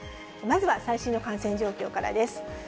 まずは最新の感染状況からです。